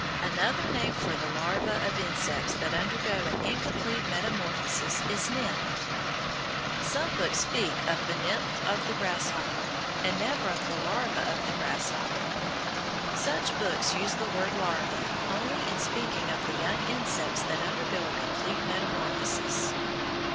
Another name for the larva of insects that undergo an incomplete metamorphosis is nymph. Some books speak of the nymph of the grasshopper, and never of the larva of the grasshopper. Such books use the word larva only in speaking of the young of insects that undergo a complete metamorphosis.